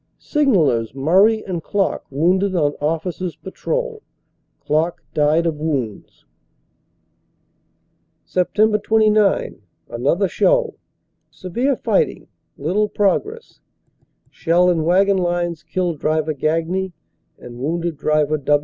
Signallers Murray and Klock wounded on Officer s Patrol ; Klock died of wounds. "Sept. 29 Another show. Severe fighting, little progress. Shell in wagon lines killed Driver Gagne and wounded Dvr.